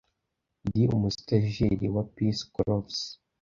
ndi umusitajiyeri wa peace corps.